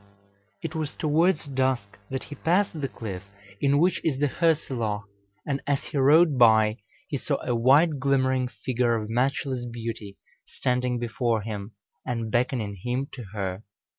It was towards dusk that he passed the cliff in which is the Hörselloch, and as he rode by, he saw a white glimmering figure of matchless beauty standing before him, and beckoning him to her.